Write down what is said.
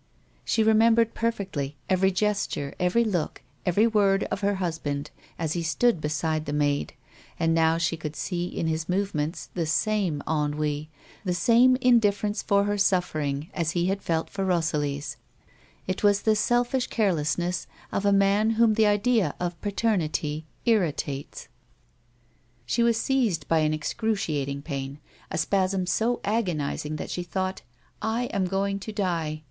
She remembered perfectly every gesture, every look, every word of her husband as he stood beside the maid, and now she could see in his movements the same ennui, the same indifference for her suffering as he had felt for Rosalie's ; it was the selfish carelessness of a man whom the idea of paternity irritates. She was seized by an excruciating pain, a spasm so agonis ing that she thought, " I am going to die